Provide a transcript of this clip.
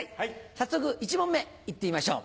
早速１問目いってみましょう。